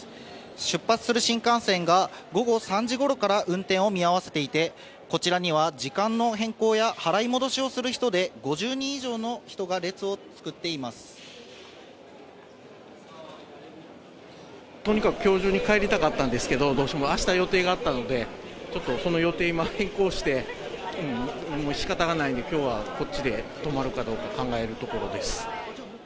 出発する新幹線が午後３時ごろから運転を見合わせていて、こちらには時間の変更や払い戻しをする人で５０人以上の人が列をとにかくきょう中に帰りたかったんですけど、どうしても、あした予定があったので、ちょっとその予定を今、変更して、しかたがないんで、きょうはこっちで泊まるかどうか考えるところです。